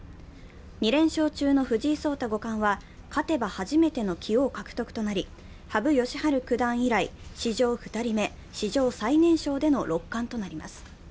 ２連勝中の藤井聡太五冠は、勝てば初めての棋王獲得となり羽生善治九段以来史上２人目、史上最年少での六冠となります。